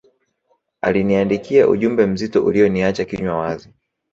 aliniandikia ujumbe mzito uliyoniacha kinywa wazi